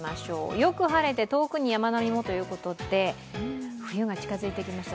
よく晴れて遠くに山並みもということで、冬が近づいてきました。